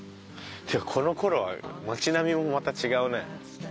この頃は町並みもまた違うね。